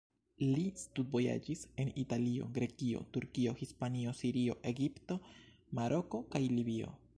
Li studvojaĝis en Italio, Grekio, Turkio, Hispanio, Sirio, Egipto, Maroko kaj Libio.